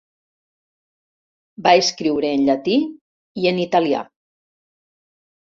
Va escriure en llatí i en italià.